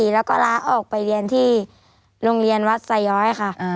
แล้วก็ล้าออกไปเรียนที่โรงเรียนวัดสายย้อยค่ะ